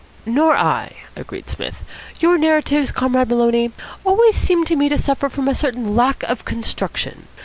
"Nor I," agreed Psmith. "Your narratives, Comrade Maloney, always seem to me to suffer from a certain lack of construction.